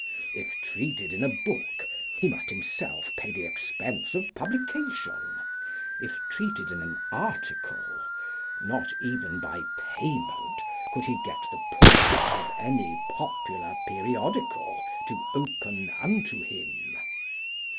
If treated in a book, he must himself pay the expense of publication; if treated in an article, not even by payment could he get the portals of any popular periodical to open unto him.